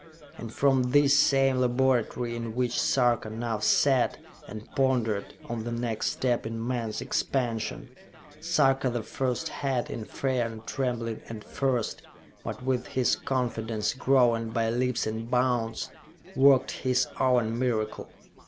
And from this same laboratory in which Sarka now sat and pondered on the next step in man's expansion, Sarka the First had, in fear and trembling at first, but with his confidence growing by leaps and bounds, worked his own miracle.